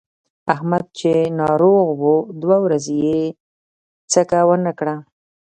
احمد چې ناروغ و دوه ورځې یې څکه ونه کړله.